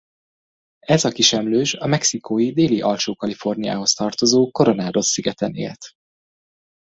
Ez a kisemlős a mexikói Déli-Alsó-Kaliforniához tartozó Coronados-szigeten élt.